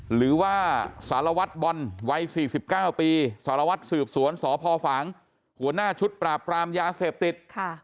หรือว่าสารวัตรบอลวัย๔๙ปีสารวัตรสืบสวนสพฝางหัวหน้าชุดปราบปรามยาเสพติด